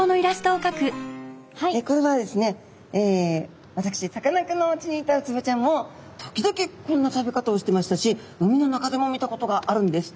これはですね私さかなクンのおうちにいたウツボちゃんも時々こんな食べ方をしてましたし海の中でも見たことがあるんです。